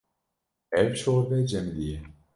Ev şorbe cemidî ye.